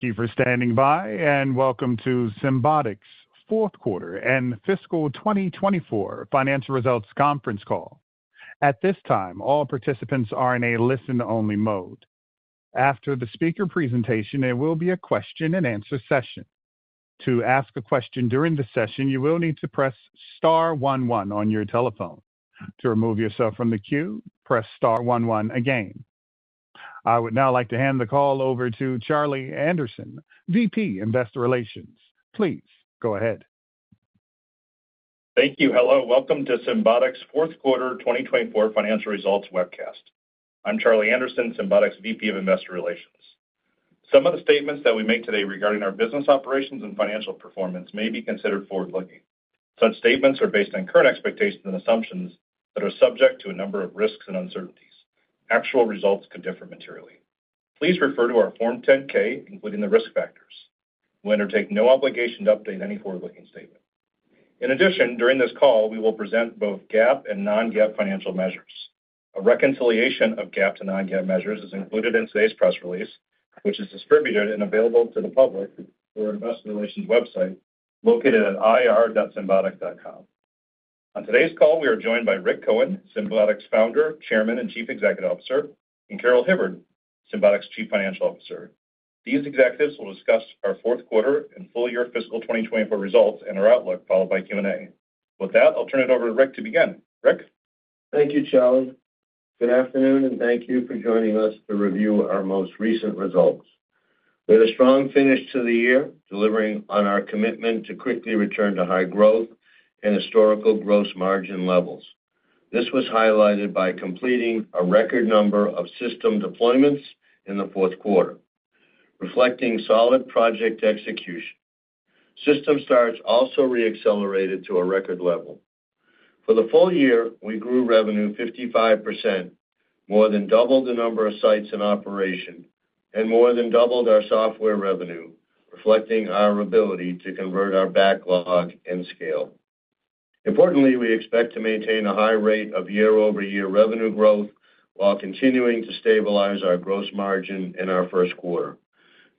Thank you for standing by, and welcome to Symbotic's fourth quarter and fiscal 2024 financial results conference call. At this time, all participants are in a listen-only mode. After the speaker presentation, there will be a question-and-answer session. To ask a question during the session, you will need to press star one one on your telephone. To remove yourself from the queue, press star one one again. I would now like to hand the call over to Charlie Anderson, VP Investor Relations. Please go ahead. Thank you. Hello. Welcome to Symbotic's fourth quarter 2024 financial results webcast. I'm Charlie Anderson, Symbotic's VP of Investor Relations. Some of the statements that we make today regarding our business operations and financial performance may be considered forward-looking. Such statements are based on current expectations and assumptions that are subject to a number of risks and uncertainties. Actual results could differ materially. Please refer to our Form 10-K, including the risk factors. We undertake no obligation to update any forward-looking statement. In addition, during this call, we will present both GAAP and non-GAAP financial measures. A reconciliation of GAAP to non-GAAP measures is included in today's press release, which is distributed and available to the public through our Investor Relations website located at ir.symbotic.com. On today's call, we are joined by Rick Cohen, Symbotic's Founder, Chairman, and Chief Executive Officer, and Carol Hibbard, Symbotic's Chief Financial Officer. These executives will discuss our fourth quarter and full-year fiscal 2024 results and our outlook, followed by Q&A. With that, I'll turn it over to Rick to begin. Rick. Thank you, Charlie. Good afternoon, and thank you for joining us to review our most recent results. We had a strong finish to the year, delivering on our commitment to quickly return to high growth and historical gross margin levels. This was highlighted by completing a record number of system deployments in the fourth quarter, reflecting solid project execution. System starts also re-accelerated to a record level. For the full year, we grew revenue 55%, more than doubled the number of sites in operation, and more than doubled our software revenue, reflecting our ability to convert our backlog and scale. Importantly, we expect to maintain a high rate of year-over-year revenue growth while continuing to stabilize our gross margin in our first quarter.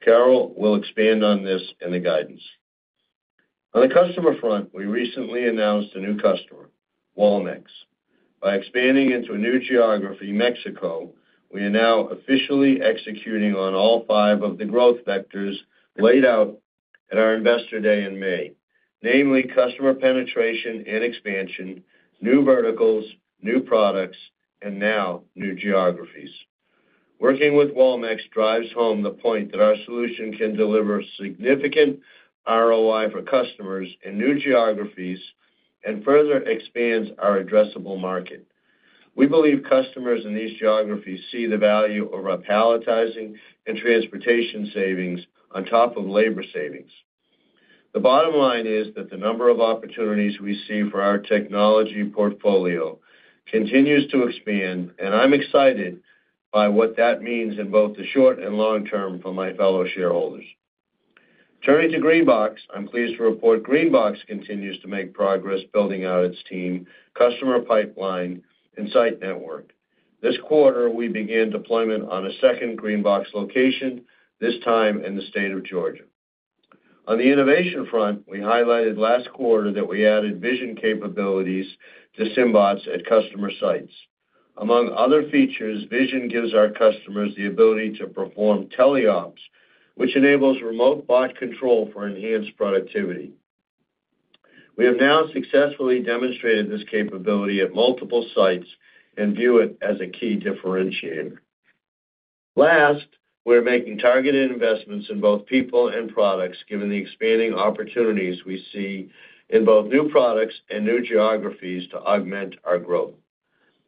Carol will expand on this in the guidance. On the customer front, we recently announced a new customer, Walmex. By expanding into a new geography, Mexico, we are now officially executing on all five of the growth vectors laid out at our investor day in May, namely customer penetration and expansion, new verticals, new products, and now new geographies. Working with Walmex drives home the point that our solution can deliver significant ROI for customers in new geographies and further expands our addressable market. We believe customers in these geographies see the value of our palletizing and transportation savings on top of labor savings. The bottom line is that the number of opportunities we see for our technology portfolio continues to expand, and I'm excited by what that means in both the short and long term for my fellow shareholders. Turning to GreenBox, I'm pleased to report GreenBox continues to make progress building out its team, customer pipeline, and site network. This quarter, we began deployment on a second GreenBox location, this time in the state of Georgia. On the innovation front, we highlighted last quarter that we added vision capabilities to Symbots at customer sites. Among other features, vision gives our customers the ability to perform teleops, which enables remote bot control for enhanced productivity. We have now successfully demonstrated this capability at multiple sites and view it as a key differentiator. Last, we're making targeted investments in both people and products, given the expanding opportunities we see in both new products and new geographies to augment our growth.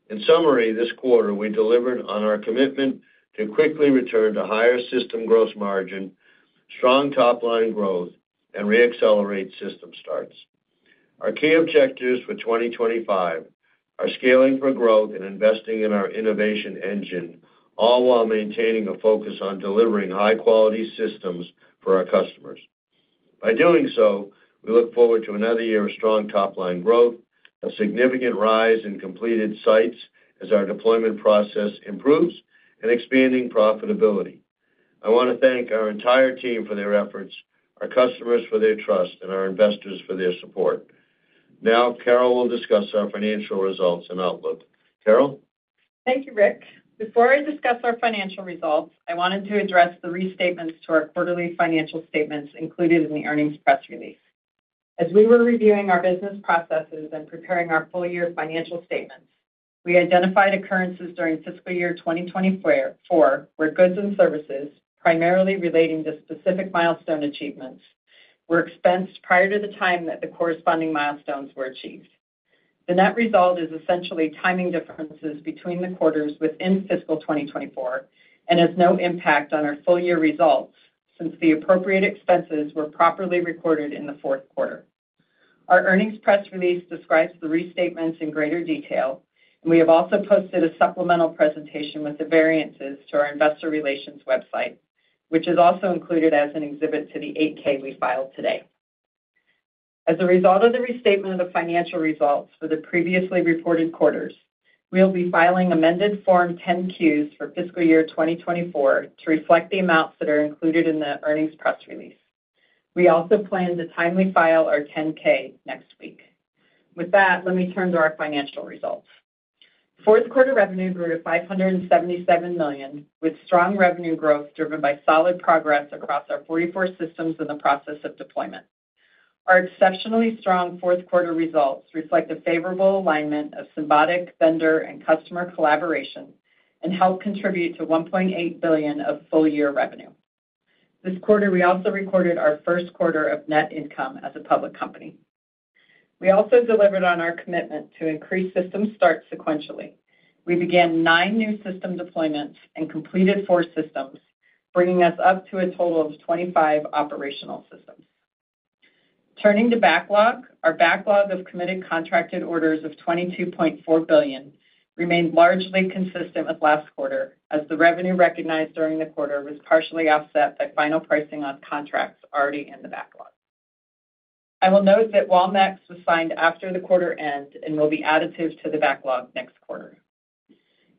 In summary, this quarter, we delivered on our commitment to quickly return to higher system gross margin, strong top-line growth, and re-accelerate system starts. Our key objectives for 2025 are scaling for growth and investing in our innovation engine, all while maintaining a focus on delivering high-quality systems for our customers. By doing so, we look forward to another year of strong top-line growth, a significant rise in completed sites as our deployment process improves, and expanding profitability. I want to thank our entire team for their efforts, our customers for their trust, and our investors for their support. Now, Carol will discuss our financial results and outlook. Carol. Thank you, Rick. Before I discuss our financial results, I wanted to address the restatements to our quarterly financial statements included in the earnings press release. As we were reviewing our business processes and preparing our full-year financial statements, we identified occurrences during fiscal year 2024 where goods and services, primarily relating to specific milestone achievements, were expensed prior to the time that the corresponding milestones were achieved. The net result is essentially timing differences between the quarters within fiscal 2024 and has no impact on our full-year results since the appropriate expenses were properly recorded in the fourth quarter. Our earnings press release describes the restatements in greater detail, and we have also posted a supplemental presentation with the variances to our Investor Relations website, which is also included as an exhibit to the 8-K we filed today. As a result of the restatement of the financial results for the previously reported quarters, we will be filing amended Form 10-Qs for fiscal year 2024 to reflect the amounts that are included in the earnings press release. We also plan to timely file our 10-K next week. With that, let me turn to our financial results. Fourth quarter revenue grew to $577 million, with strong revenue growth driven by solid progress across our 44 systems in the process of deployment. Our exceptionally strong fourth quarter results reflect a favorable alignment of Symbotic, vendor, and customer collaboration and help contribute to $1.8 billion of full-year revenue. This quarter, we also recorded our first quarter of net income as a public company. We also delivered on our commitment to increase system starts sequentially. We began nine new system deployments and completed four systems, bringing us up to a total of 25 operational systems. Turning to backlog, our backlog of committed contracted orders of $22.4 billion remained largely consistent with last quarter, as the revenue recognized during the quarter was partially offset by final pricing on contracts already in the backlog. I will note that Walmex was signed after the quarter end and will be additive to the backlog next quarter.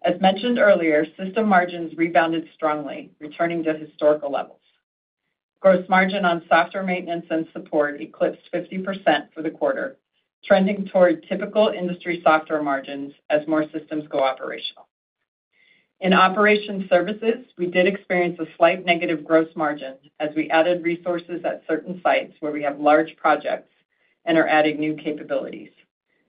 As mentioned earlier, system margins rebounded strongly, returning to historical levels. Gross margin on software maintenance and support eclipsed 50% for the quarter, trending toward typical industry software margins as more systems go operational. In operations services, we did experience a slight negative gross margin as we added resources at certain sites where we have large projects and are adding new capabilities.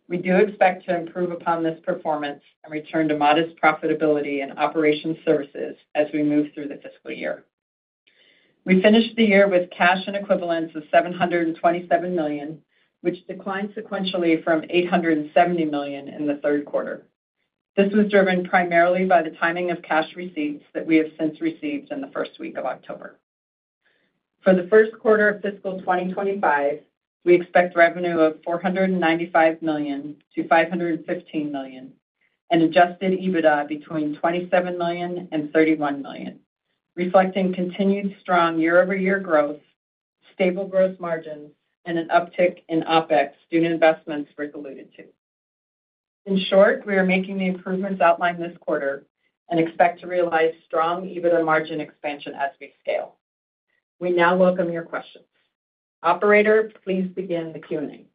We do expect to improve upon this performance and return to modest profitability in operations services as we move through the fiscal year. We finished the year with cash and equivalents of $727 million, which declined sequentially from $870 million in the third quarter. This was driven primarily by the timing of cash receipts that we have since received in the first week of October. For the first quarter of fiscal 2025, we expect revenue of $495 million-$515 million and adjusted EBITDA between $27 million and $31 million, reflecting continued strong year-over-year growth, stable gross margins, and an uptick in OpEx due to investments we're dedicated to. In short, we are making the improvements outlined this quarter and expect to realize strong EBITDA margin expansion as we scale. We now welcome your questions. Operator, please begin the Q&A.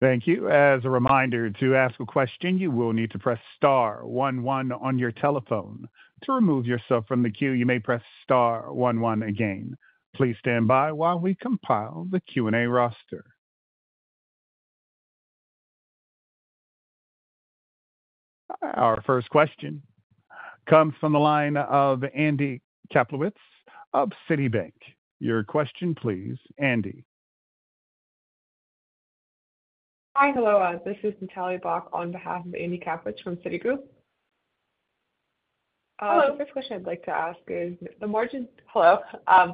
Thank you. As a reminder, to ask a question, you will need to press star 11 on your telephone. To remove yourself from the queue, you may press star 11 again. Please stand by while we compile the Q&A roster. Our first question comes from the line of Andy Kaplowitz of Citigroup. Your question, please, Andy. Hi, hello. This is Natalia Bak on behalf of Andy Kaplowitz from Citigroup. Hello. The first question I'd like to ask is the margins. Hello.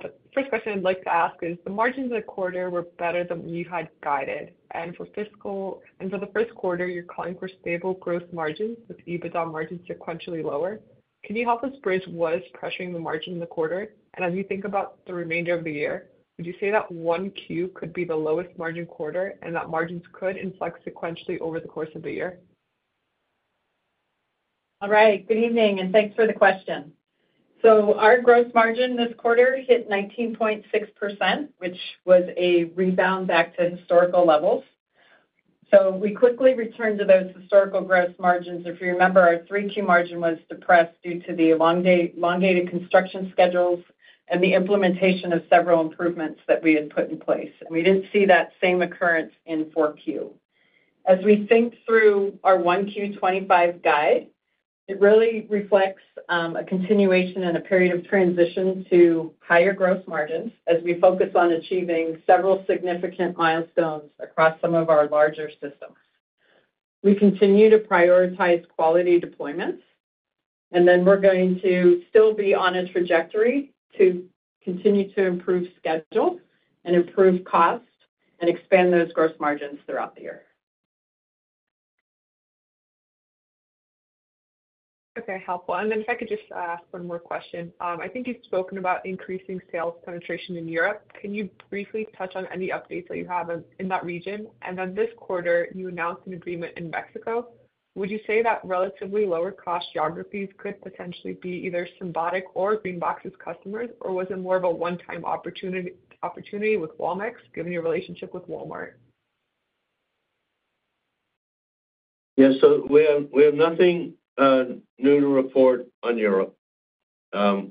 The first question I'd like to ask is the margins of the quarter were better than you had guided. And for fiscal and for the first quarter, you're calling for stable gross margins with EBITDA margins sequentially lower. Can you help us bridge what is pressuring the margin in the quarter? And as you think about the remainder of the year, would you say that 1Q could be the lowest margin quarter and that margins could inflect sequentially over the course of the year? All right. Good evening, and thanks for the question. Our gross margin this quarter hit 19.6%, which was a rebound back to historical levels. We quickly returned to those historical gross margins. If you remember, our 3Q margin was depressed due to the elongated construction schedules and the implementation of several improvements that we had put in place. And we didn't see that same occurrence in Q4. As we think through our 1Q25 guide, it really reflects a continuation and a period of transition to higher gross margins as we focus on achieving several significant milestones across some of our larger systems. We continue to prioritize quality deployments, and then we're going to still be on a trajectory to continue to improve schedule and improve cost and expand those gross margins throughout the year. Okay, helpful. And then if I could just ask one more question. I think you've spoken about increasing sales penetration in Europe. Can you briefly touch on any updates that you have in that region? And then this quarter, you announced an agreement in Mexico. Would you say that relatively lower-cost geographies could potentially be either Symbotic or GreenBox's customers, or was it more of a one-time opportunity with Walmex, given your relationship with Walmart? Yeah, so we have nothing new to report on Europe.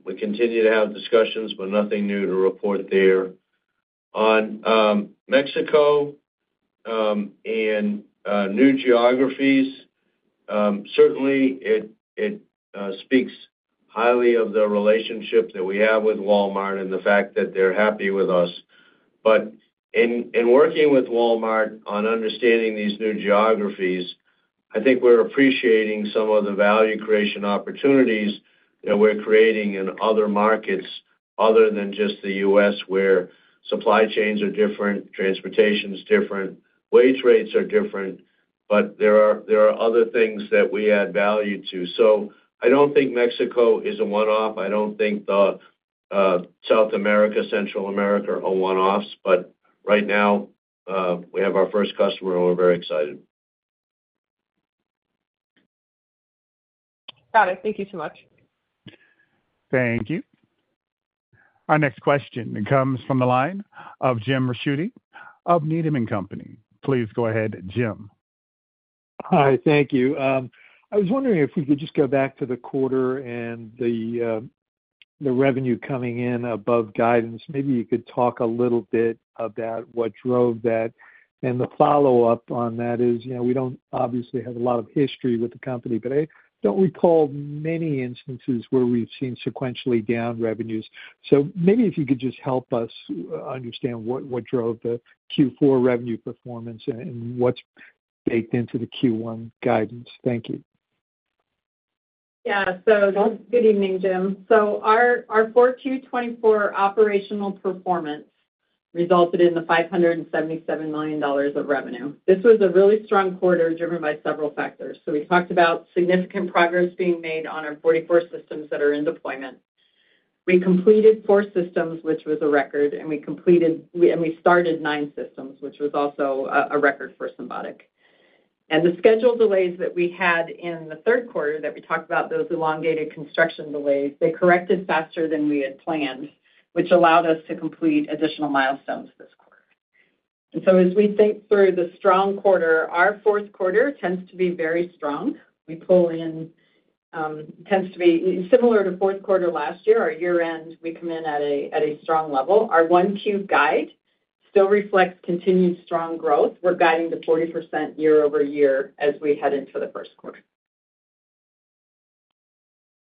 We continue to have discussions, but nothing new to report there. On Mexico and new geographies, certainly it speaks highly of the relationship that we have with Walmart and the fact that they're happy with us. But in working with Walmart on understanding these new geographies, I think we're appreciating some of the value creation opportunities that we're creating in other markets other than just the U.S., where supply chains are different, transportation's different, wage rates are different, but there are other things that we add value to. So I don't think Mexico is a one-off. I don't think South America, Central America are one-offs, but right now we have our first customer, and we're very excited. Got it. Thank you so much. Thank you. Our next question comes from the line of Jim Ricchiuti of Needham & Company. Please go ahead, Jim. Hi, thank you. I was wondering if we could just go back to the quarter and the revenue coming in above guidance. Maybe you could talk a little bit about what drove that. And the follow-up on that is we don't obviously have a lot of history with the company, but I don't recall many instances where we've seen sequentially down revenues. So maybe if you could just help us understand what drove the Q4 revenue performance and what's baked into the Q1 guidance? Thank you. Yeah, so good evening, Jim. Our Q4 2024 operational performance resulted in $577 million of revenue. This was a really strong quarter driven by several factors. We talked about significant progress being made on our 44 systems that are in deployment. We completed four systems, which was a record, and we started nine systems, which was also a record for Symbotic. The schedule delays that we had in the third quarter that we talked about, those elongated construction delays, they corrected faster than we had planned, which allowed us to complete additional milestones this quarter. As we think through the strong quarter, our fourth quarter tends to be very strong. We pull in tends to be similar to fourth quarter last year. Our year-end, we come in at a strong level. Our 1Q guide still reflects continued strong growth. We're guiding the 40% year-over-year as we head into the first quarter.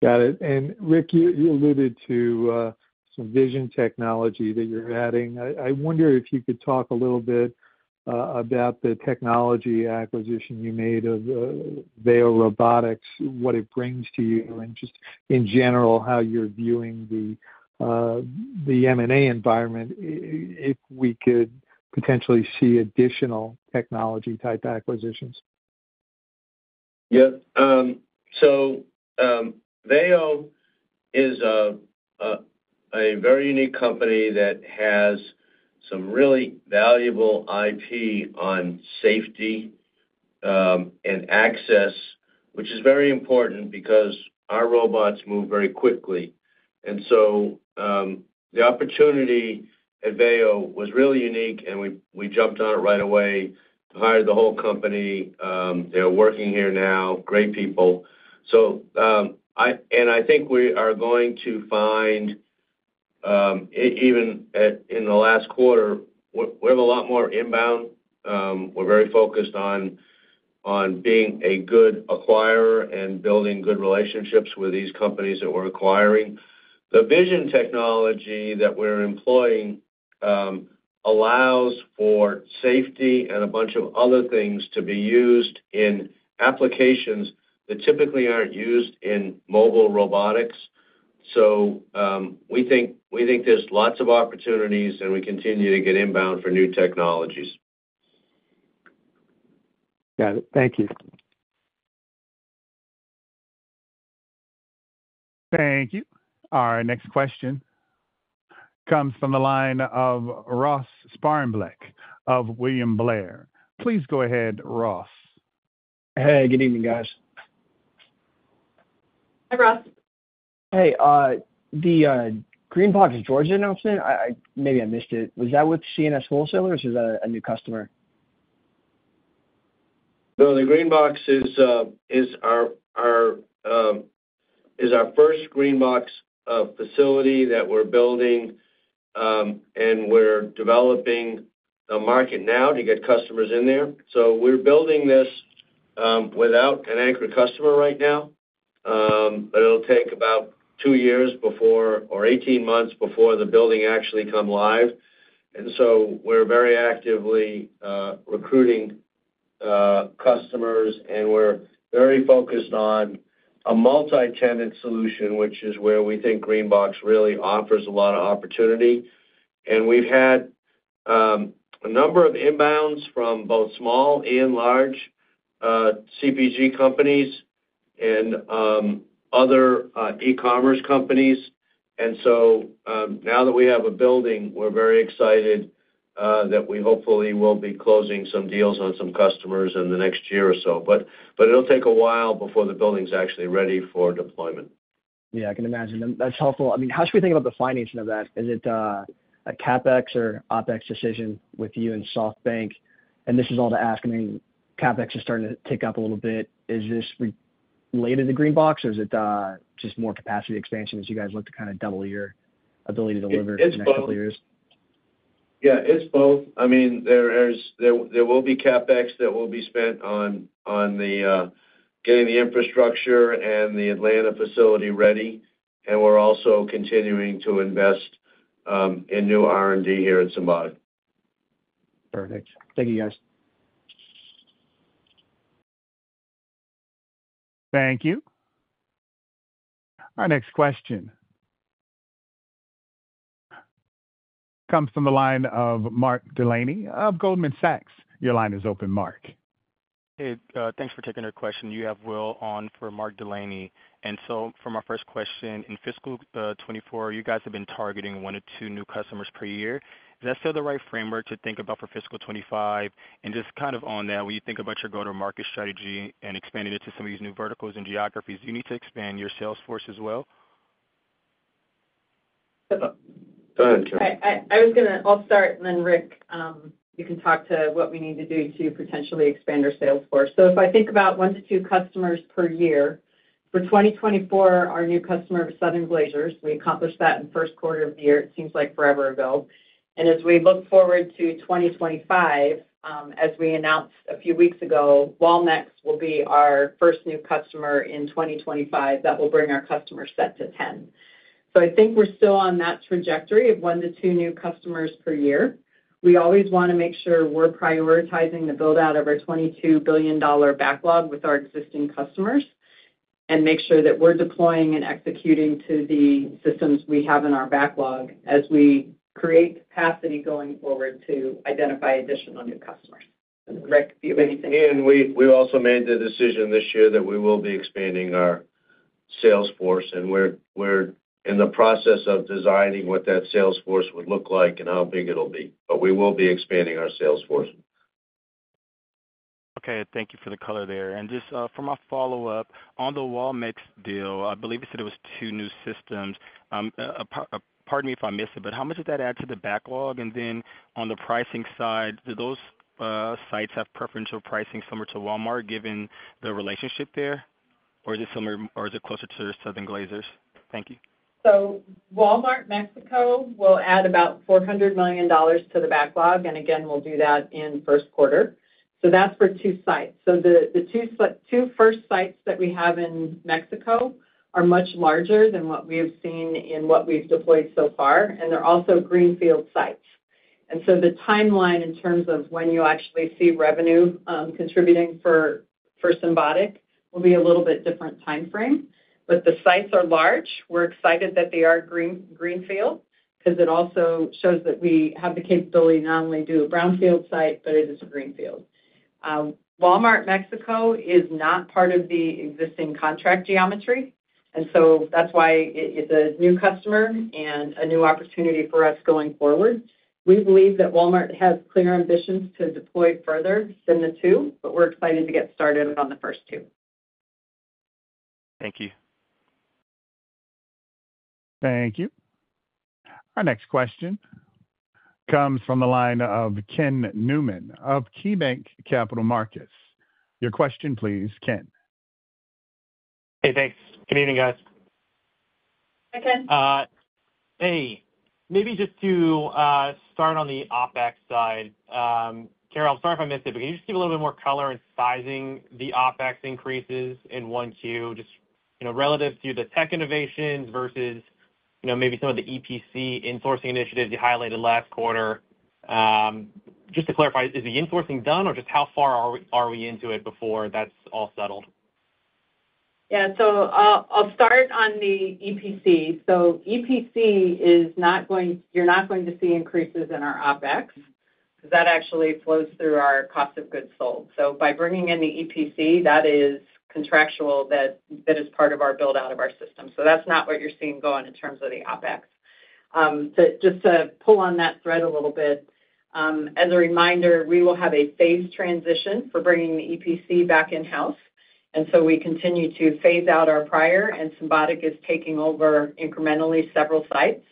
Got it. And Rick, you alluded to some vision technology that you're adding. I wonder if you could talk a little bit about the technology acquisition you made of Veo Robotics, what it brings to you, and just in general, how you're viewing the M&A environment if we could potentially see additional technology-type acquisitions. Yep. So Veo is a very unique company that has some really valuable IP on safety and access, which is very important because our robots move very quickly. And so the opportunity at Veo was really unique, and we jumped on it right away, hired the whole company. They're working here now, great people. And I think we are going to find, even in the last quarter, we have a lot more inbound. We're very focused on being a good acquirer and building good relationships with these companies that we're acquiring. The vision technology that we're employing allows for safety and a bunch of other things to be used in applications that typically aren't used in mobile robotics. So we think there's lots of opportunities, and we continue to get inbound for new technologies. Got it. Thank you. Thank you. Our next question comes from the line of Ross Sparenblek of William Blair. Please go ahead, Ross. Hey, good evening, guys. Hi, Ross. Hey. The GreenBox Georgia announcement, maybe I missed it. Was that with C&S Wholesale Grocers, or is that a new customer? No, the GreenBox is our first GreenBox facility that we're building, and we're developing a market now to get customers in there. So we're building this without an anchor customer right now, but it'll take about two years before or 18 months before the building actually comes live. And so we're very actively recruiting customers, and we're very focused on a multi-tenant solution, which is where we think GreenBox really offers a lot of opportunity. And we've had a number of inbounds from both small and large CPG companies and other e-commerce companies. And so now that we have a building, we're very excited that we hopefully will be closing some deals on some customers in the next year or so. But it'll take a while before the building's actually ready for deployment. Yeah, I can imagine. That's helpful. I mean, how should we think about the financing of that? Is it a CapEx or OpEx decision with you and SoftBank? And this is all to ask. I mean, CapEx is starting to tick up a little bit. Is this related to GreenBox, or is it just more capacity expansion as you guys look to kind of double your ability to deliver in the next couple of years? It's both. Yeah, it's both. I mean, there will be CapEx that will be spent on getting the infrastructure and the Atlanta facility ready, and we're also continuing to invest in new R&D here at Symbotic. Perfect. Thank you, guys. Thank you. Our next question comes from the line of Mark Delaney of Goldman Sachs. Your line is open, Mark. Hey, thanks for taking our question. You have Will on for Mark Delaney. And so for my first question, in fiscal 2024, you guys have been targeting one or two new customers per year. Is that still the right framework to think about for fiscal 2025? And just kind of on that, when you think about your go-to-market strategy and expanding it to some of these new verticals and geographies, do you need to expand your sales force as well? Go ahead, Jim. I'll start, and then Rick, you can talk to what we need to do to potentially expand our sales force. So if I think about one to two customers per year, for 2024, our new customer was Southern Glazer's. We accomplished that in the first quarter of the year. It seems like forever ago, and as we look forward to 2025, as we announced a few weeks ago, Walmex will be our first new customer in 2025 that will bring our customer set to 10. So I think we're still on that trajectory of one to two new customers per year. We always want to make sure we're prioritizing the build-out of our $22 billion backlog with our existing customers and make sure that we're deploying and executing to the systems we have in our backlog as we create capacity going forward to identify additional new customers. Rick, do you have anything? And we also made the decision this year that we will be expanding our sales force, and we're in the process of designing what that sales force would look like and how big it'll be. But we will be expanding our sales force. Okay. Thank you for the color there. And just for my follow-up, on the Walmex deal, I believe you said it was two new systems. Pardon me if I missed it, but how much does that add to the backlog? And then on the pricing side, do those sites have preferential pricing somewhere to Walmart given the relationship there? Or is it somewhere, or is it closer to Southern Glazer's? Thank you. Walmart Mexico will add about $400 million to the backlog, and again, we'll do that in first quarter. That's for two sites. The two first sites that we have in Mexico are much larger than what we have seen in what we've deployed so far, and they're also greenfield sites. The timeline in terms of when you actually see revenue contributing for Symbotic will be a little bit different timeframe. The sites are large. We're excited that they are greenfield because it also shows that we have the capability to not only do a brownfield site, but it is a greenfield. Walmart Mexico is not part of the existing contract geography, and so that's why it's a new customer and a new opportunity for us going forward. We believe that Walmart has clear ambitions to deploy further than the two, but we're excited to get started on the first two. Thank you. Thank you. Our next question comes from the line of Ken Newman of KeyBank Capital Markets. Your question, please, Ken. Hey, thanks. Good evening, guys. Hi, Ken. Hey. Maybe just to start on the OpEx side, Carol, I'm sorry if I missed it, but can you just give a little bit more color and sizing the OpEx increases in 1Q just relative to the tech innovations versus maybe some of the EPC insourcing initiatives you highlighted last quarter? Just to clarify, is the insourcing done, or just how far are we into it before that's all settled? Yeah. So I'll start on the EPC. So EPC is not going, you're not going to see increases in our OpEx because that actually flows through our cost of goods sold. So by bringing in the EPC, that is contractual that is part of our build-out of our system. So that's not what you're seeing going in terms of the OpEx. Just to pull on that thread a little bit, as a reminder, we will have a phased transition for bringing the EPC back in-house. And so we continue to phase out our prior, and Symbotic is taking over incrementally several sites.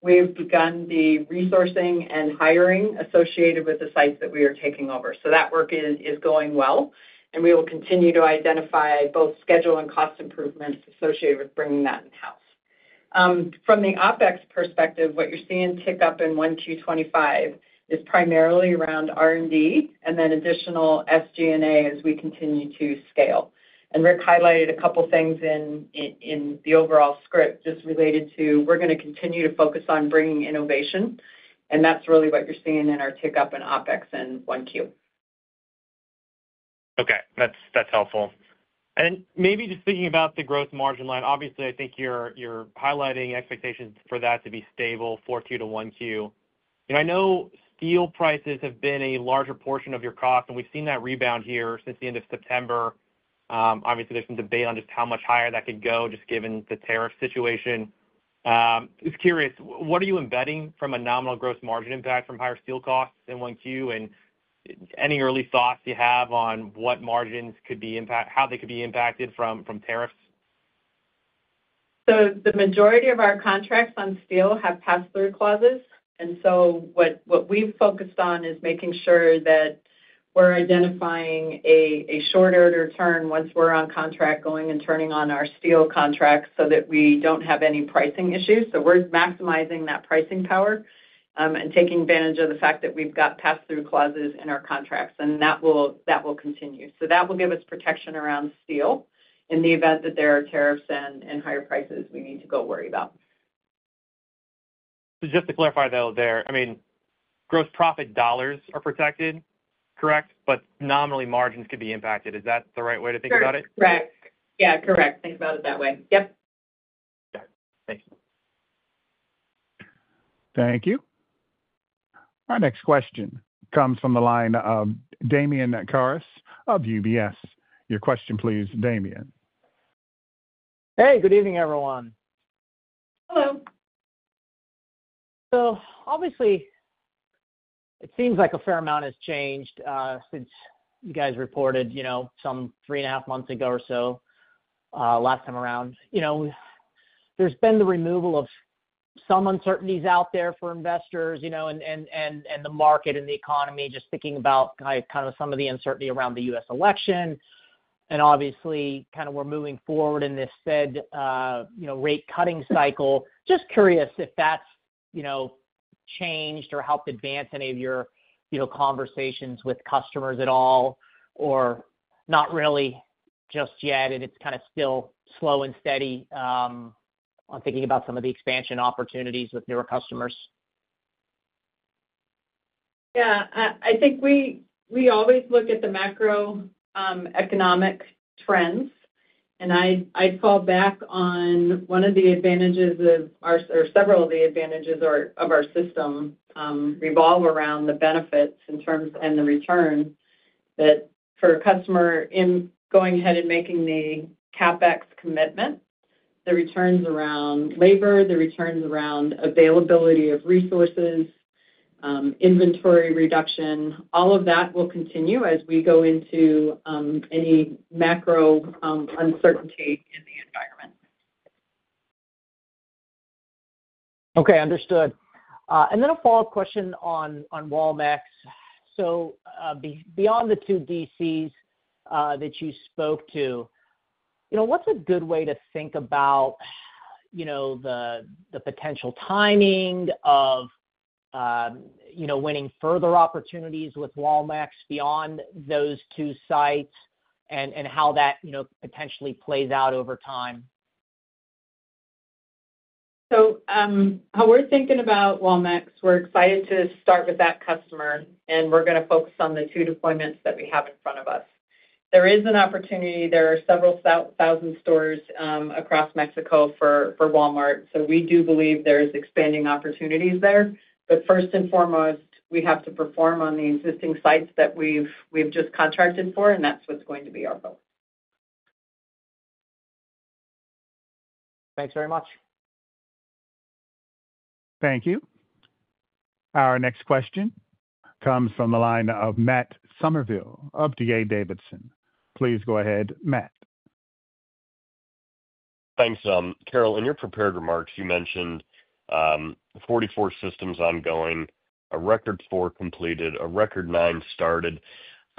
We've begun the resourcing and hiring associated with the sites that we are taking over. So that work is going well, and we will continue to identify both schedule and cost improvements associated with bringing that in-house. From the OpEx perspective, what you're seeing tick up in 1Q25 is primarily around R&D and then additional SG&A as we continue to scale, and Rick highlighted a couple of things in the overall script just related to we're going to continue to focus on bringing innovation, and that's really what you're seeing in our tick-up in OpEx in 1Q. Okay. That's helpful. And maybe just thinking about the gross margin line, obviously, I think you're highlighting expectations for that to be stable for Q2, Q1. I know steel prices have been a larger portion of your cost, and we've seen that rebound here since the end of September. Obviously, there's some debate on just how much higher that could go just given the tariff situation. Just curious, what are you embedding from a nominal gross margin impact from higher steel costs in Q1? And any early thoughts you have on what margins could be impacted, how they could be impacted from tariffs? So the majority of our contracts on steel have pass-through clauses. And so what we've focused on is making sure that we're identifying a short-order turn once we're on contract going and turning on our steel contracts so that we don't have any pricing issues. So we're maximizing that pricing power and taking advantage of the fact that we've got pass-through clauses in our contracts, and that will continue. So that will give us protection around steel in the event that there are tariffs and higher prices we need to go worry about. So just to clarify, though, there, I mean, gross profit dollars are protected, correct? But nominally, margins could be impacted. Is that the right way to think about it? Correct. Yeah, correct. Think about it that way. Yep. Okay. Thank you. Thank you. Our next question comes from the line of Damian Karas of UBS. Your question, please, Damian. Hey, good evening, everyone. Hello. So obviously, it seems like a fair amount has changed since you guys reported some three and a half months ago or so last time around. There's been the removal of some uncertainties out there for investors and the market and the economy, just thinking about kind of some of the uncertainty around the U.S. election, and obviously, kind of we're moving forward in this Fed rate-cutting cycle. Just curious if that's changed or helped advance any of your conversations with customers at all or not really just yet, and it's kind of still slow and steady on thinking about some of the expansion opportunities with newer customers. Yeah. I think we always look at the macroeconomic trends, and I fall back on one of the advantages of our, or several of the advantages of our system revolve around the benefits and the return that for a customer in going ahead and making the CapEx commitment. The returns around labor, the returns around availability of resources, inventory reduction, all of that will continue as we go into any macro uncertainty in the environment. Okay. Understood. And then a follow-up question on Walmex. So beyond the two DCs that you spoke to, what's a good way to think about the potential timing of winning further opportunities with Walmex beyond those two sites and how that potentially plays out over time? So how we're thinking about Walmex, we're excited to start with that customer, and we're going to focus on the two deployments that we have in front of us. There is an opportunity. There are several thousand stores across Mexico for Walmart. So we do believe there's expanding opportunities there. But first and foremost, we have to perform on the existing sites that we've just contracted for, and that's what's going to be our focus. Thanks very much. Thank you. Our next question comes from the line of Matt Summerville of D.A. Davidson. Please go ahead, Matt. Thanks, Carol. In your prepared remarks, you mentioned 44 systems ongoing, a record four completed, a record nine started.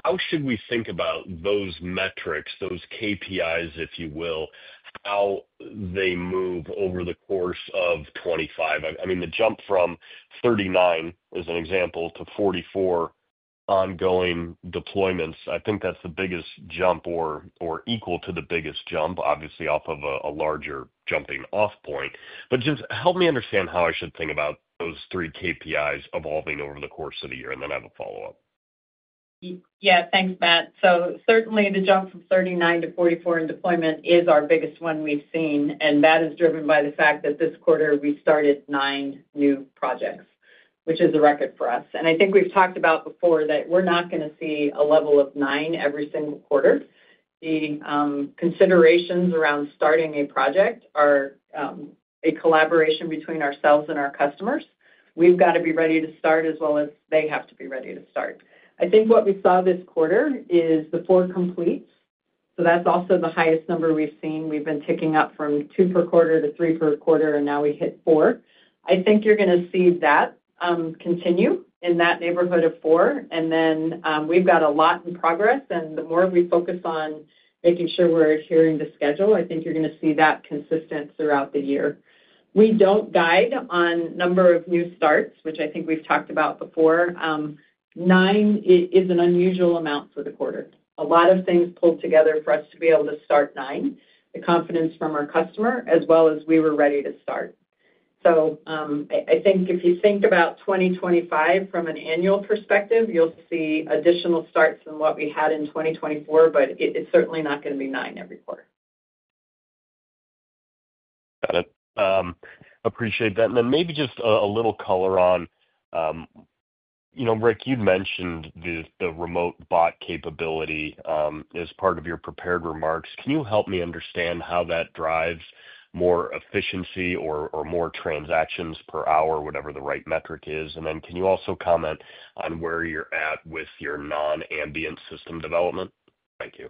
How should we think about those metrics, those KPIs, if you will, how they move over the course of 2025? I mean, the jump from 39, as an example, to 44 ongoing deployments, I think that's the biggest jump or equal to the biggest jump, obviously, off of a larger jumping-off point. But just help me understand how I should think about those three KPIs evolving over the course of the year, and then I have a follow-up. Yeah. Thanks, Matt. So certainly, the jump from 39 to 44 in deployment is our biggest one we've seen, and that is driven by the fact that this quarter we started nine new projects, which is a record for us, and I think we've talked about before that we're not going to see a level of nine every single quarter. The considerations around starting a project are a collaboration between ourselves and our customers. We've got to be ready to start as well as they have to be ready to start. I think what we saw this quarter is the four completes, so that's also the highest number we've seen. We've been ticking up from two per quarter to three per quarter, and now we hit four. I think you're going to see that continue in that neighborhood of four. And then we've got a lot in progress, and the more we focus on making sure we're adhering to schedule, I think you're going to see that consistent throughout the year. We don't guide on number of new starts, which I think we've talked about before. Nine is an unusual amount for the quarter. A lot of things pulled together for us to be able to start nine, the confidence from our customer, as well as we were ready to start. So I think if you think about 2025 from an annual perspective, you'll see additional starts than what we had in 2024, but it's certainly not going to be nine every quarter. Got it. Appreciate that. And then maybe just a little color on, Rick, you'd mentioned the remote bot capability as part of your prepared remarks. Can you help me understand how that drives more efficiency or more transactions per hour, whatever the right metric is? And then can you also comment on where you're at with your non-ambient system development? Thank you.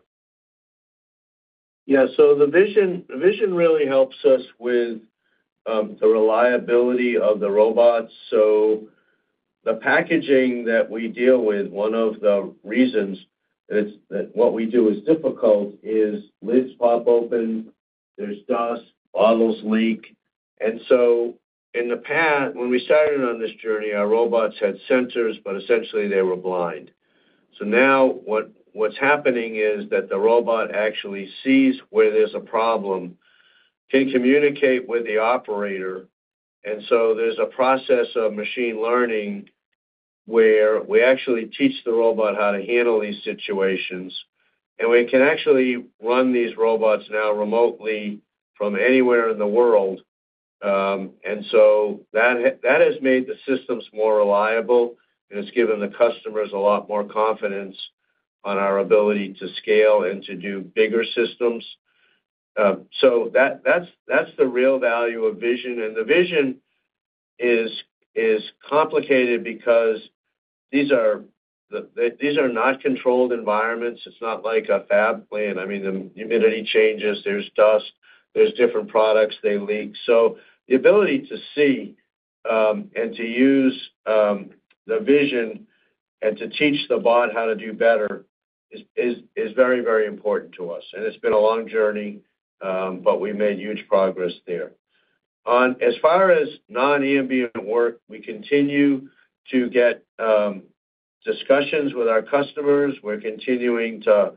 Yeah. So the vision really helps us with the reliability of the robots. So the packaging that we deal with, one of the reasons that what we do is difficult is lids pop open, there's dust, bottles leak. And so in the past, when we started on this journey, our robots had sensors, but essentially, they were blind. So now what's happening is that the robot actually sees where there's a problem, can communicate with the operator. And so there's a process of machine learning where we actually teach the robot how to handle these situations, and we can actually run these robots now remotely from anywhere in the world. And so that has made the systems more reliable, and it's given the customers a lot more confidence on our ability to scale and to do bigger systems. So that's the real value of vision. The vision is complicated because these are not controlled environments. It's not like a fab plant. I mean, the humidity changes, there's dust, there's different products, they leak. So the ability to see and to use the vision and to teach the bot how to do better is very, very important to us. It's been a long journey, but we made huge progress there. As far as non-ambient work, we continue to get discussions with our customers. We're continuing to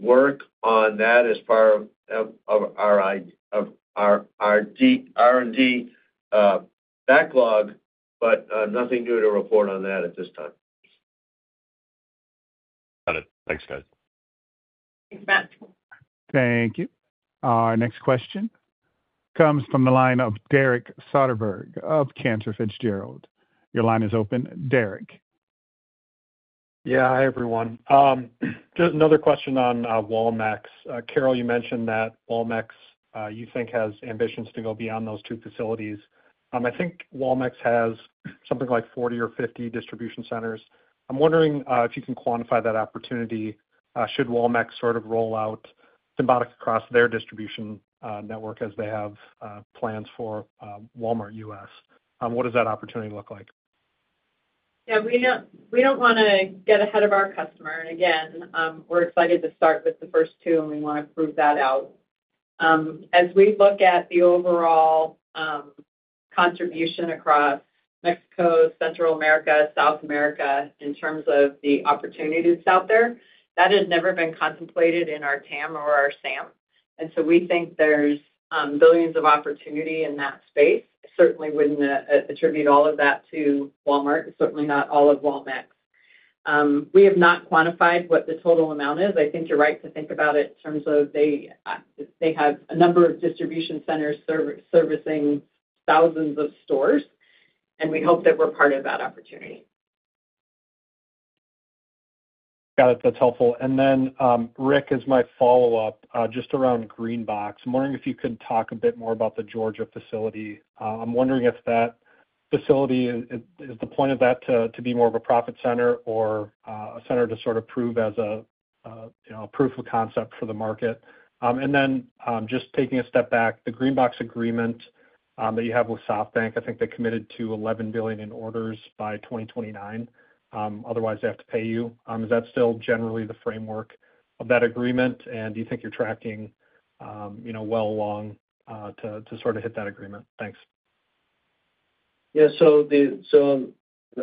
work on that as part of our R&D backlog, but nothing new to report on that at this time. Got it. Thanks, guys. Thanks, Matt. Thank you. Our next question comes from the line of Derek Soderberg of Cantor Fitzgerald. Your line is open. Derek. Yeah. Hi, everyone. Just another question on Walmex. Carol, you mentioned that Walmex, you think, has ambitions to go beyond those two facilities. I think Walmex has something like 40 or 50 distribution centers. I'm wondering if you can quantify that opportunity. Should Walmex sort of roll out Symbotic across their distribution network as they have plans for Walmart US? What does that opportunity look like? Yeah. We don't want to get ahead of our customer. And again, we're excited to start with the first two, and we want to prove that out. As we look at the overall contribution across Mexico, Central America, South America in terms of the opportunities out there, that has never been contemplated in our TAM or our SAM. And so we think there's billions of opportunity in that space. Certainly, wouldn't attribute all of that to Walmart. Certainly not all of Walmex. We have not quantified what the total amount is. I think you're right to think about it in terms of they have a number of distribution centers servicing thousands of stores, and we hope that we're part of that opportunity. Got it. That's helpful. And then, Rick, as my follow-up, just around GreenBox, I'm wondering if you could talk a bit more about the Georgia facility. I'm wondering if that facility is the point of that to be more of a profit center or a center to sort of prove as a proof of concept for the market? And then just taking a step back, the GreenBox agreement that you have with SoftBank, I think they committed to $11 billion in orders by 2029. Otherwise, they have to pay you. Is that still generally the framework of that agreement? And do you think you're tracking well along to sort of hit that agreement? Thanks. Yeah. So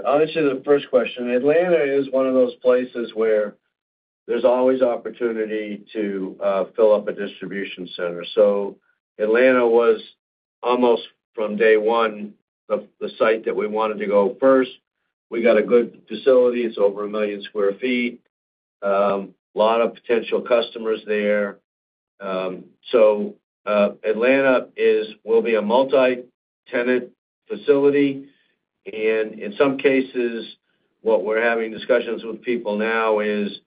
obviously, the first question, Atlanta is one of those places where there's always opportunity to fill up a distribution center. So Atlanta was almost from day one, the site that we wanted to go first. We got a good facility. It's over a million sq ft, a lot of potential customers there. So Atlanta will be a multi-tenant facility. And in some cases, what we're having discussions with people now is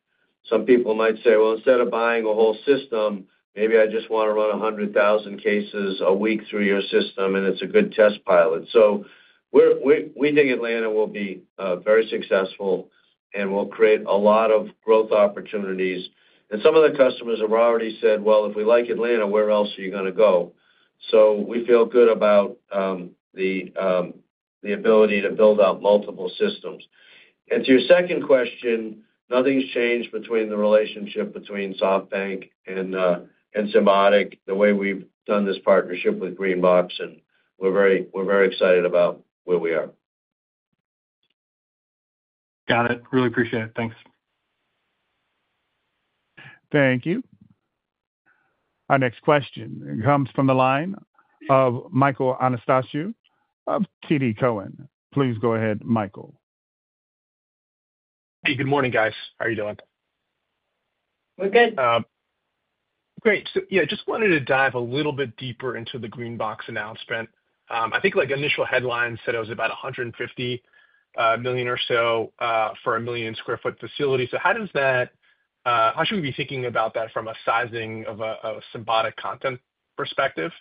some people might say, "Well, instead of buying a whole system, maybe I just want to run 100,000 cases a week through your system, and it's a good test pilot." So we think Atlanta will be very successful and will create a lot of growth opportunities. And some of the customers have already said, "Well, if we like Atlanta, where else are you going to go?" So we feel good about the ability to build out multiple systems. And to your second question, nothing's changed between the relationship between SoftBank and Symbotic the way we've done this partnership with GreenBox, and we're very excited about where we are. Got it. Really appreciate it. Thanks. Thank you. Our next question comes from the line of Michael Anastasiou of TD Cowen. Please go ahead, Michael. Hey, good morning, guys. How are you doing? We're good. Great. So yeah, just wanted to dive a little bit deeper into the GreenBox announcement. I think initial headlines said it was about $150 million or so for a 1 million sq ft facility. So how does that, how should we be thinking about that from a sizing of a Symbotic content perspective?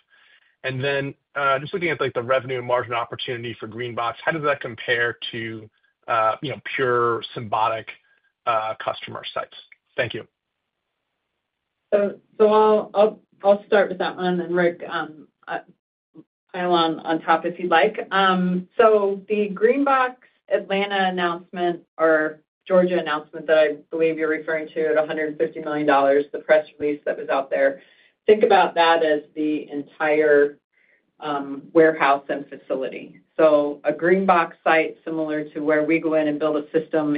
And then just looking at the revenue and margin opportunity for GreenBox, how does that compare to pure Symbotic customer sites? Thank you. So I'll start with that one, and then Rick, pile on top if you'd like. So the GreenBox Atlanta announcement or Georgia announcement that I believe you're referring to at $150 million, the press release that was out there, think about that as the entire warehouse and facility. So a GreenBox site similar to where we go in and build a system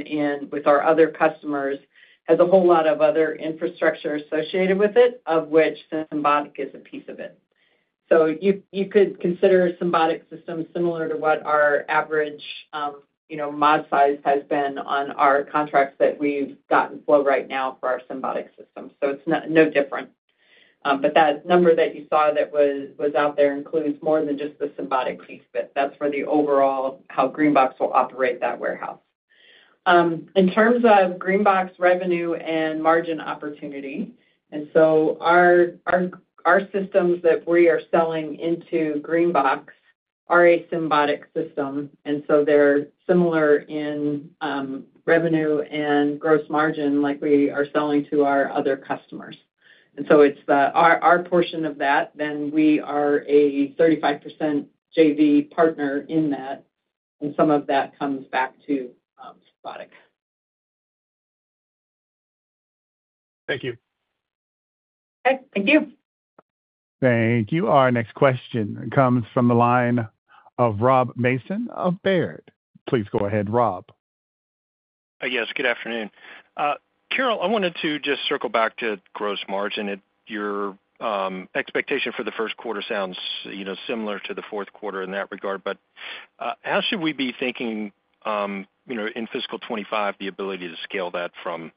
with our other customers has a whole lot of other infrastructure associated with it, of which Symbotic is a piece of it. So you could consider Symbotic systems similar to what our average mod size has been on our contracts that we've got in flow right now for our Symbotic system. So it's no different. But that number that you saw that was out there includes more than just the Symbotic piece, but that's for the overall how GreenBox will operate that warehouse. In terms of GreenBox revenue and margin opportunity, and so our systems that we are selling into GreenBox are a Symbotic system. And so they're similar in revenue and gross margin like we are selling to our other customers. And so it's our portion of that. Then we are a 35% JV partner in that, and some of that comes back to Symbotic. Thank you. Okay. Thank you. Thank you. Our next question comes from the line of Rob Mason of Baird. Please go ahead, Rob. Yes. Good afternoon. Carol, I wanted to just circle back to gross margin. Your expectation for the first quarter sounds similar to the fourth quarter in that regard. But how should we be thinking in fiscal 2025, the ability to scale that from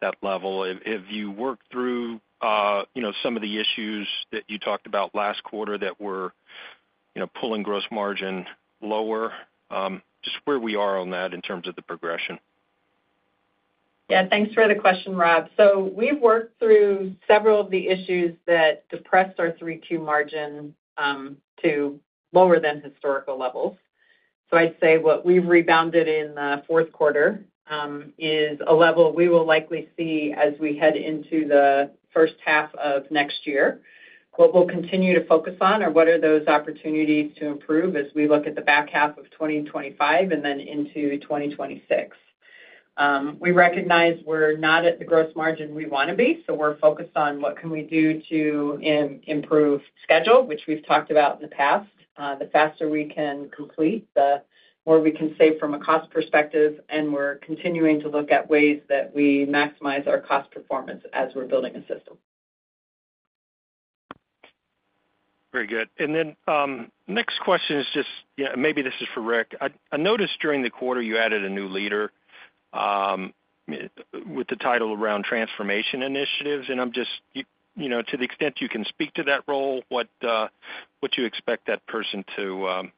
that level? Have you worked through some of the issues that you talked about last quarter that were pulling gross margin lower? Just where we are on that in terms of the progression. Yeah. Thanks for the question, Rob. So we've worked through several of the issues that depressed our 3Q margin to lower than historical levels. So I'd say what we've rebounded in the fourth quarter is a level we will likely see as we head into the first half of next year. What we'll continue to focus on are what are those opportunities to improve as we look at the back half of 2025 and then into 2026. We recognize we're not at the gross margin we want to be, so we're focused on what can we do to improve schedule, which we've talked about in the past. The faster we can complete, the more we can save from a cost perspective, and we're continuing to look at ways that we maximize our cost performance as we're building a system. Very good. And then next question is just, yeah, maybe this is for Rick. I noticed during the quarter you added a new leader with the title around transformation initiatives. And I'm just, to the extent you can speak to that role, what do you expect that person to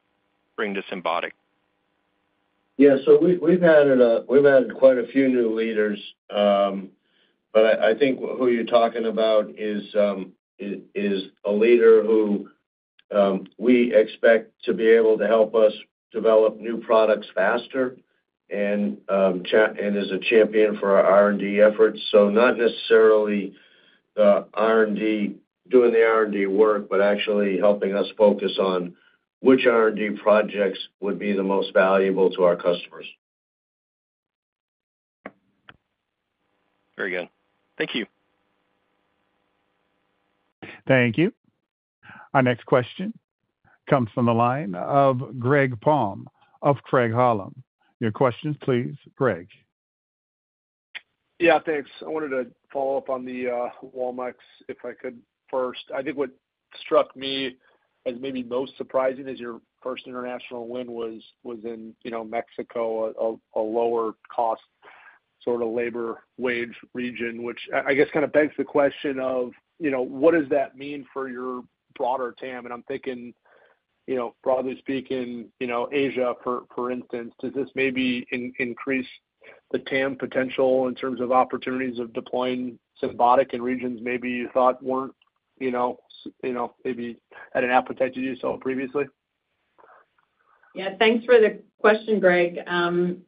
bring to Symbotic? Yeah, so we've added quite a few new leaders, but I think who you're talking about is a leader who we expect to be able to help us develop new products faster and is a champion for our R&D efforts, so not necessarily doing the R&D work, but actually helping us focus on which R&D projects would be the most valuable to our customers. Very good. Thank you. Thank you. Our next question comes from the line of Greg Palm of Craig-Hallum. Your questions, please, Greg. Yeah. Thanks. I wanted to follow up on the Walmarts, if I could first. I think what struck me as maybe most surprising is your first international win was in Mexico, a lower-cost sort of labor wage region, which I guess kind of begs the question of what does that mean for your broader TAM? And I'm thinking, broadly speaking, Asia, for instance. Does this maybe increase the TAM potential in terms of opportunities of deploying Symbotic in regions maybe you thought weren't maybe at an appetite to do so previously? Yeah. Thanks for the question, Greg.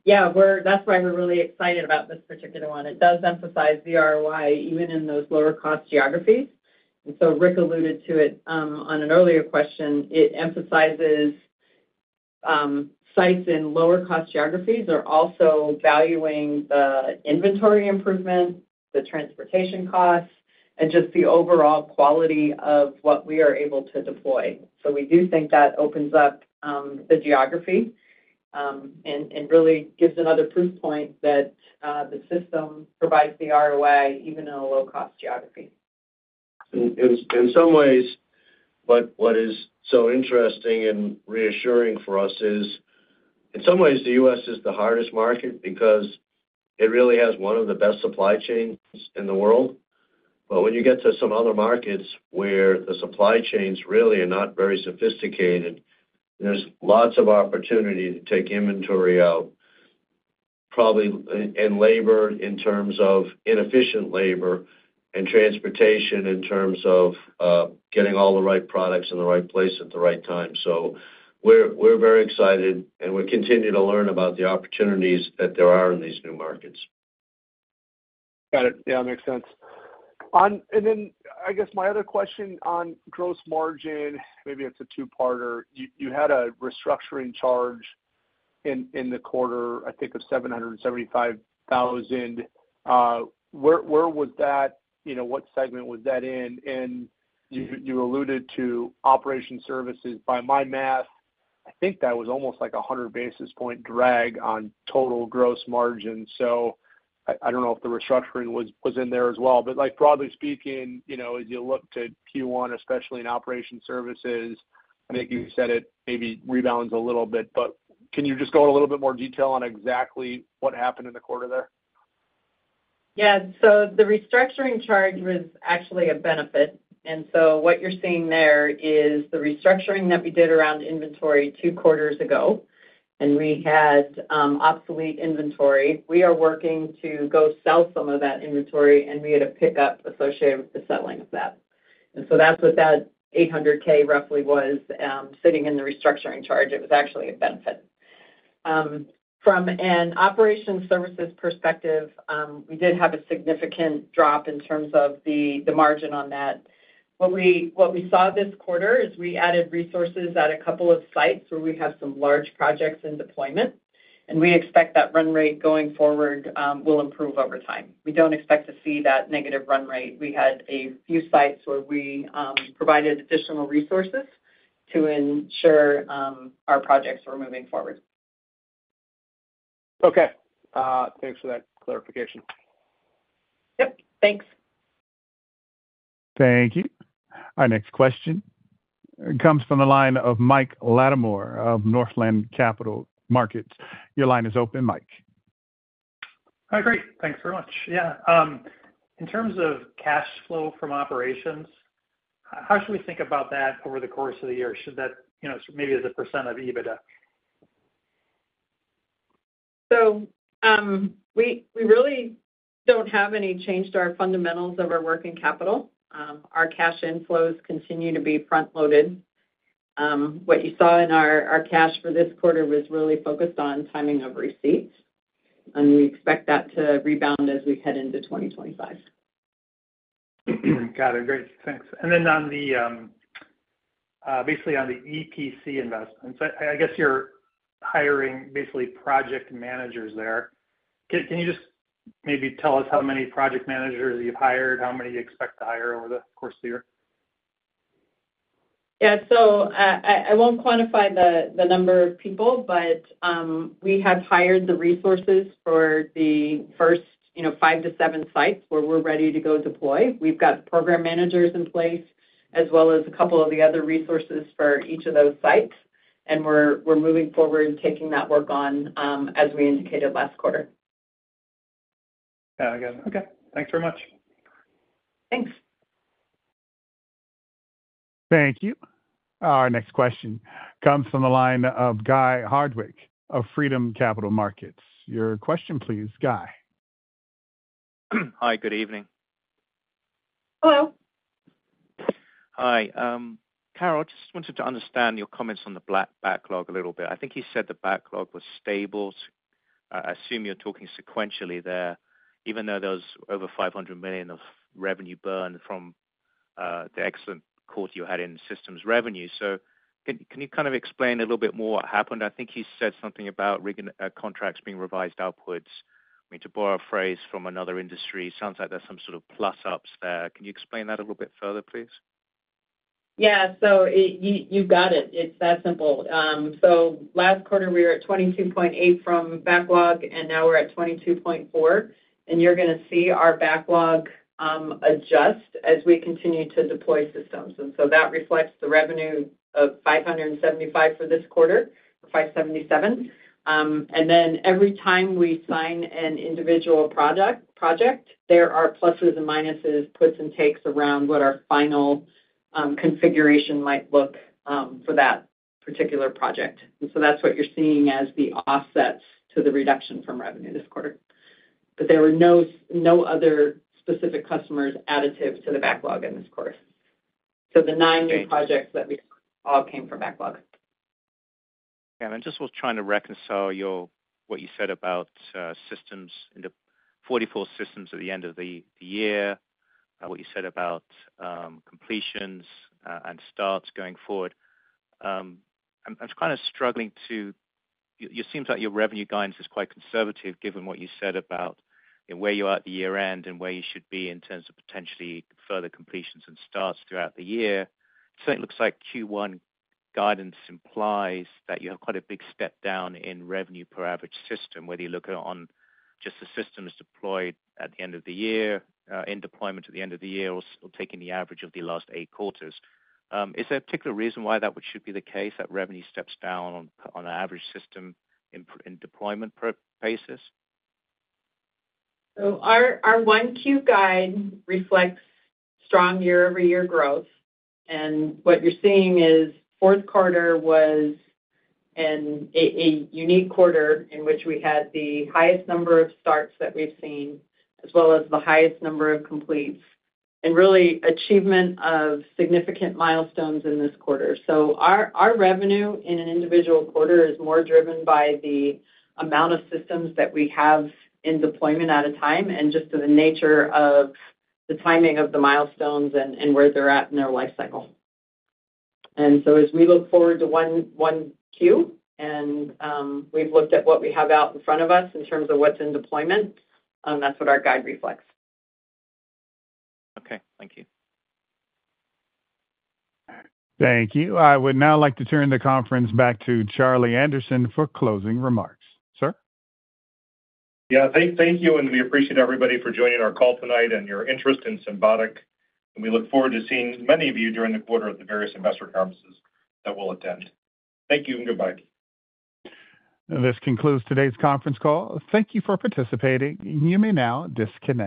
Yeah. That's why we're really excited about this particular one. It does emphasize the ROI even in those lower-cost geographies. And so Rick alluded to it on an earlier question. It emphasizes sites in lower-cost geographies are also valuing the inventory improvement, the transportation costs, and just the overall quality of what we are able to deploy. So we do think that opens up the geography and really gives another proof point that the system provides the ROI even in a low-cost geography. In some ways, what is so interesting and reassuring for us is, in some ways, the U.S. is the hardest market because it really has one of the best supply chains in the world. But when you get to some other markets where the supply chains really are not very sophisticated, there's lots of opportunity to take inventory out, probably in labor in terms of inefficient labor and transportation in terms of getting all the right products in the right place at the right time, so we're very excited, and we'll continue to learn about the opportunities that there are in these new markets. Got it. Yeah. That makes sense. And then I guess my other question on gross margin, maybe it's a two-parter. You had a restructuring charge in the quarter, I think, of $775,000. Where was that? What segment was that in? And you alluded to operations services. By my math, I think that was almost like a 100 basis point drag on total gross margin. So I don't know if the restructuring was in there as well. But broadly speaking, as you look to Q1, especially in operations services, I think you said it maybe rebounds a little bit. But can you just go into a little bit more detail on exactly what happened in the quarter there? Yeah. So the restructuring charge was actually a benefit. And so what you're seeing there is the restructuring that we did around inventory two quarters ago, and we had obsolete inventory. We are working to go sell some of that inventory, and we had a pickup associated with the selling of that. And so that's what that roughly $800,000 was sitting in the restructuring charge. It was actually a benefit. From an operations services perspective, we did have a significant drop in terms of the margin on that. What we saw this quarter is we added resources at a couple of sites where we have some large projects in deployment, and we expect that run rate going forward will improve over time. We don't expect to see that negative run rate. We had a few sites where we provided additional resources to ensure our projects were moving forward. Okay. Thanks for that clarification. Yep. Thanks. Thank you. Our next question comes from the line of Mike Latimore of Northland Capital Markets. Your line is open, Mike. Hi, great. Thanks very much. Yeah. In terms of cash flow from operations, how should we think about that over the course of the year? Maybe as a percent of EBITDA. So we really don't have any change to our fundamentals of our working capital. Our cash inflows continue to be front-loaded. What you saw in our cash for this quarter was really focused on timing of receipts, and we expect that to rebound as we head into 2025. Got it. Great. Thanks. And then basically on the EPC investments, I guess you're hiring basically project managers there. Can you just maybe tell us how many project managers you've hired, how many you expect to hire over the course of the year? Yeah. So I won't quantify the number of people, but we have hired the resources for the first five to seven sites where we're ready to go deploy. We've got program managers in place as well as a couple of the other resources for each of those sites, and we're moving forward taking that work on as we indicated last quarter. Got it. Got it. Okay. Thanks very much. Thanks. Thank you. Our next question comes from the line of Guy Hardwick of Freedom Capital Markets. Your question, please, Guy. Hi. Good evening. Hello. Hi. Carol, I just wanted to understand your comments on the backlog a little bit. I think you said the backlog was stable. I assume you're talking sequentially there, even though there was over $500 million of revenue burn from the excellent quarter you had in systems revenue. So can you kind of explain a little bit more what happened? I think you said something about contracts being revised upwards. I mean, to borrow a phrase from another industry, it sounds like there's some sort of plus-ups there. Can you explain that a little bit further, please? Yeah. So you've got it. It's that simple. So last quarter, we were at 22.8 from backlog, and now we're at 22.4. And you're going to see our backlog adjust as we continue to deploy systems. And so that reflects the revenue of $575 for this quarter, $577. And then every time we sign an individual project, there are pluses and minuses, puts and takes around what our final configuration might look for that particular project. And so that's what you're seeing as the offsets to the reduction from revenue this quarter. But there were no other specific customers additive to the backlog in this quarter. So the nine new projects that we had all came from backlog. Yeah. And I just was trying to reconcile what you said about 44 systems at the end of the year, what you said about completions and starts going forward. I'm kind of struggling to. It seems like your revenue guidance is quite conservative given what you said about where you are at the year-end and where you should be in terms of potentially further completions and starts throughout the year. It certainly looks like Q1 guidance implies that you have quite a big step down in revenue per average system, whether you look at just the systems deployed at the end of the year, in deployment at the end of the year, or taking the average of the last eight quarters. Is there a particular reason why that should be the case, that revenue steps down on an average system in deployment basis? Our 1Q guide reflects strong year-over-year growth. And what you're seeing is fourth quarter was a unique quarter in which we had the highest number of starts that we've seen, as well as the highest number of completes, and really achievement of significant milestones in this quarter. Our revenue in an individual quarter is more driven by the amount of systems that we have in deployment at a time and just the nature of the timing of the milestones and where they're at in their life cycle. And so as we look forward to 1Q and we've looked at what we have out in front of us in terms of what's in deployment, that's what our guide reflects. Okay. Thank you. Thank you. I would now like to turn the conference back to Charlie Anderson for closing remarks. Sir. Yeah. Thank you. And we appreciate everybody for joining our call tonight and your interest in Symbotic. And we look forward to seeing many of you during the quarter at the various investor conferences that we'll attend. Thank you and goodbye. This concludes today's conference call. Thank you for participating. You may now disconnect.